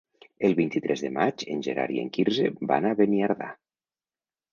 El vint-i-tres de maig en Gerard i en Quirze van a Beniardà.